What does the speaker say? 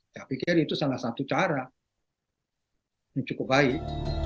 saya pikir itu salah satu cara yang cukup baik